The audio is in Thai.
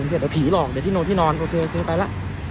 เดี๋ยวผีหลอกเดี๋ยวที่นอนที่นอนโอเคไปแล้ว